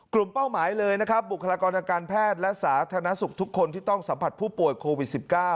เป้าหมายเลยนะครับบุคลากรทางการแพทย์และสาธารณสุขทุกคนที่ต้องสัมผัสผู้ป่วยโควิด๑๙